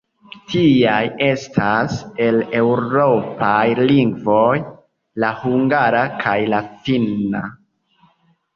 Tiaj estas, el eŭropaj lingvoj, la hungara kaj la finna.